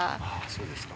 そうですか。